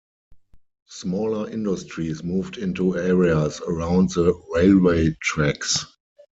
Smaller industries moved into areas around the railway tracks.